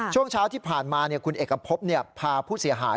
ช่วงเช้าที่ผ่านมาคุณเอกพบพาผู้เสียหาย